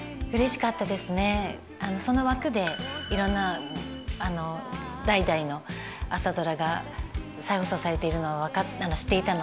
その枠でいろんな代々の「朝ドラ」が再放送されているのは知っていたので。